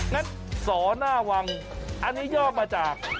งั้นสนวังอันนี้ย่อมาจาก